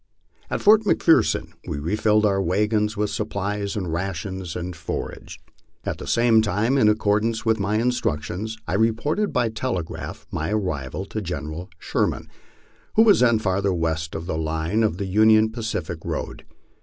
At Fort McPherson we refilled our wagons with supplies of rations and for age. At the same time, in accordance with my instructions, I reported by tel egraph my arrival to General Sherman, who was then further west on the line of the Union Pacific road.